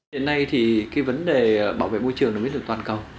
đến nay thì cái vấn đề bảo vệ môi trường đã biến được toàn cầu